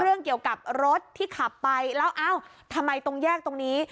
เรื่องเกี่ยวกับรถที่ขับไปแล้วเอ้าทำไมตรงแยกตรงนี้